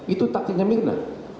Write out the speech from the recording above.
itu taktiknya mirna